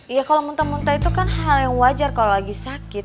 iya kalau muntah muntah itu kan hal yang wajar kalau lagi sakit